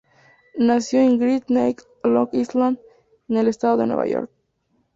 Nació en Great Neck, Long Island, en el estado de Nueva York.